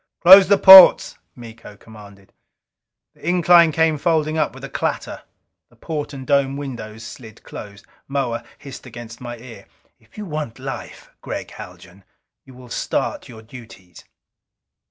"Close the ports!" Miko commanded. The incline came folding up with a clatter. The port and dome windows slid closed. Moa hissed against my ear: "If you want life, Gregg Haljan, you will start your duties!"